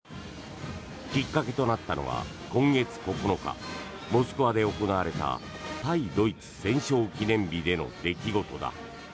きっかけとなったのは今月９日、モスクワで行われた対ドイツ戦勝記念日での出来事だ。